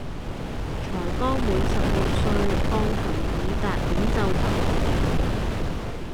才剛滿十六歲鋼琴己逹演奏級